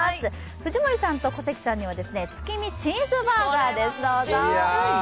藤森さんと小関さんには月見チーズバーガーです。